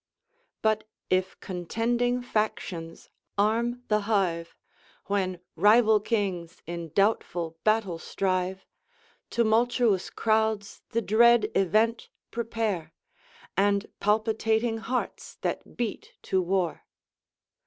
"But if contending factions arm the hive, When rival kings in doubtful battle strive, Tumultuous crowds the dread event prepare, And palpitating hearts that beat to war."